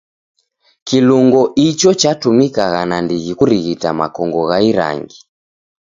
Kilungo icho chatumikagha nandighi kurighita makongo gha irangi.